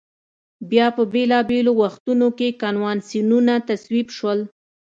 بیا په بېلا بېلو وختونو کې کنوانسیونونه تصویب شول.